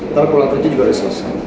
ntar pulang kerja juga udah selesai